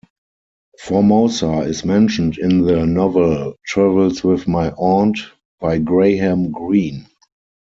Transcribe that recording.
Formosa is mentioned in the novel "Travels with My Aunt", by Graham Greene.